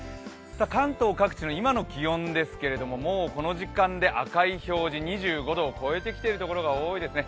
関東各地の今の気温ですけどこの時間で赤い表示、２５度を超えてきているところが多いですね。